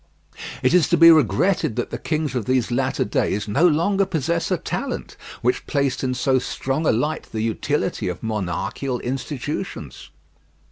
It is to be regretted that the kings of these latter days no longer possess a talent which placed in so strong a light the utility of monarchical institutions.